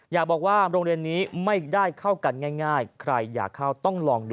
อยากบอกว่าโรงเรียนนี้ไม่ได้เข้ากันง่ายใครอยากเข้าต้องลองดู